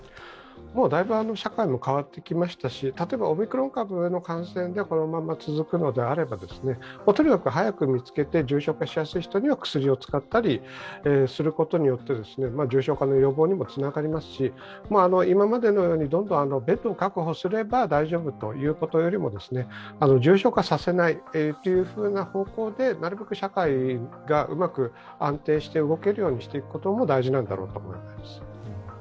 大分、社会も変わってきましたし例えばオミクロン株で感染が続くのであればとにかく早く見つけて重症化しやすい人には薬を使ったりすることによって重症化の予防にもつながりますし、今までのようにベッドを確保すれば大丈夫ということよりも重症化させないという方向で、なるべく社会がうまく安定して動けるようにしていくことも大事なったろうと思います。